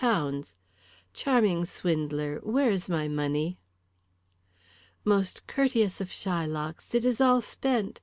Charming swindler, where is my money?" "Most courteous of Shylocks, it is all spent.